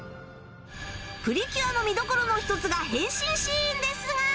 『プリキュア』の見どころの一つが変身シーンですが